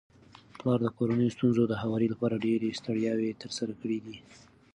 پلار د کورنيو د ستونزو د هواري لپاره ډيري ستړياوي تر سره کړي دي